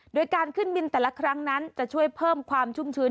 โดยการขึ้นบินแต่ละครั้งนั้นจะช่วยเพิ่มความชุ่มชื้น